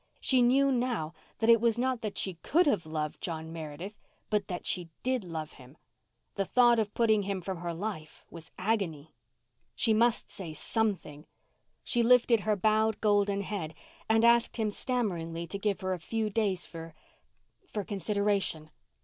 She knew now that it was not that she could have loved John Meredith, but that she did love him. The thought of putting him from her life was agony. She must say something; she lifted her bowed golden head and asked him stammeringly to give her a few days for—for consideration.